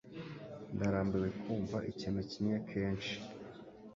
Ndarambiwe kumva ikintu kimwe kenshi